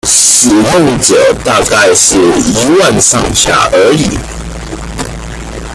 使用者大概是一萬上下而已